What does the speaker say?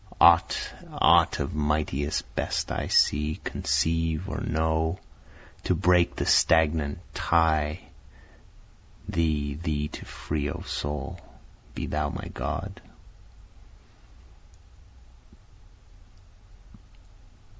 Aught, aught of mightiest, best I see, conceive, or know, (To break the stagnant tie thee, thee to free, O soul,) Be thou my God.